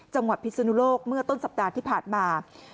จังหวัดพิสูจนุโลกเมื่อต้นสัปดาห์ที่ผ่านมา